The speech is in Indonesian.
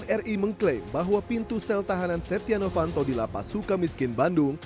ri mengklaim bahwa pintu sel tahanan setia novanto di lapas suka miskin bandung